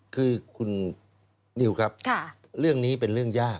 คือคุณนิวครับเรื่องนี้เป็นเรื่องยาก